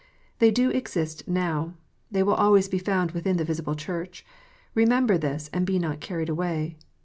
They do exist now. They will always be found within the visible Church. Remember this, and be not carried away."